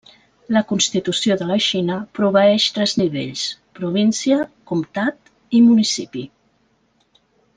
La constitució de la Xina proveeix tres nivells: província, comtat i municipi.